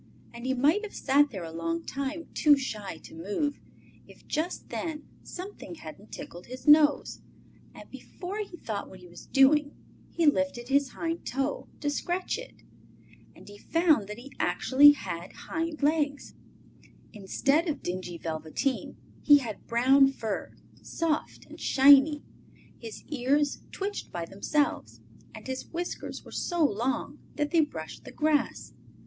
And he might have sat there a long time, too shy to move, if just then something hadn't tickled his nose, and before he thought what he was doing he lifted his hind toe to scratch it. And he found that he actually had hind legs! Instead of dingy velveteen he had brown fur, soft and shiny, his ears twitched by themselves, and his whiskers were so long that they brushed the grass.